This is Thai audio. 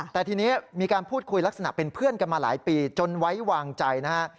แต่ทีนี้มีการพูดคุยลักษณะเป็นเพื่อนกันมาหลายปีจนไว้วางใจนะฮะ